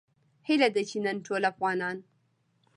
هیله ده چې نن ټول افغانان